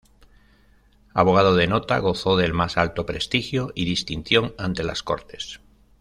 Abogado de nota, gozó del más alto prestigio y distinción ante las Cortes.